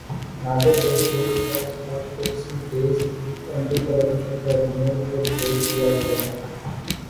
ناصر جمشید کا spot fixing case anti corruption tribunal کو بھیج دیاگیا